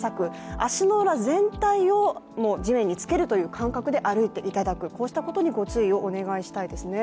足の裏全体を地面につけるという感覚で歩いていただく、こうしたことにご注意をお願いしたいですね。